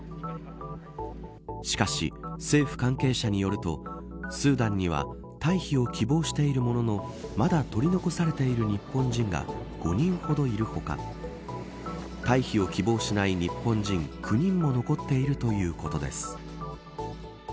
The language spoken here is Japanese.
しかし、政府関係者によるとスーダンには退避を希望しているもののまだ取り残されている日本人が５人ほどいる他退避を希望しない日本人９人も残っているということです。